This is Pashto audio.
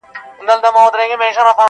له هغې د مځكي مخ ورته سور اور وو-